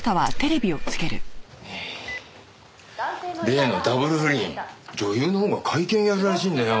例のダブル不倫女優のほうが会見やるらしいんだよ。